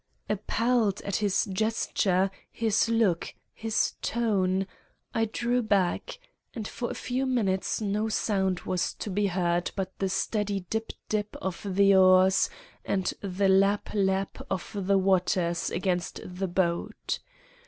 Appalled at his gesture, his look, his tone, I drew back, and for a few minutes no sound was to be heard but the steady dip dip of the oars and the lap lap of the waters against the boat.